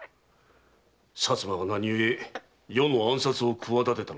薩摩が何故余の暗殺を企てたのか。